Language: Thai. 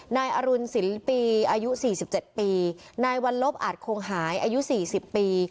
นายอรุณศิลปีอายุสี่สิบเจ็ดปีนายวันลบอาจคงหายอายุสี่สิบปี